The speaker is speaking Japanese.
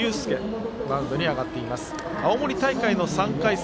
青森大会の３回戦